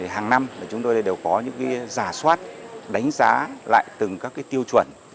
hàng năm chúng tôi đều có những giả soát đánh giá lại từng các tiêu chuẩn